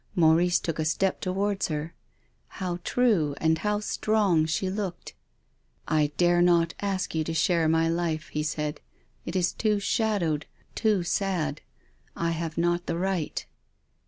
Maurice took a step towards her. How true and how strong she looked. " I dare not ask you to share my life," he said. " It is too shadowed, too sad. I have not the right."